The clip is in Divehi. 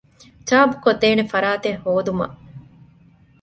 ޗާޕުކޮށްދޭނެ ފަރާތެއް ހޯދުމަށް